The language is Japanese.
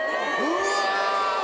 うわ！